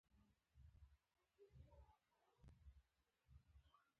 دولت باید ددې چارو لپاره لازم تدابیر ونیسي.